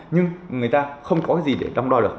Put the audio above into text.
nhưng người ta không có gì để đong đo được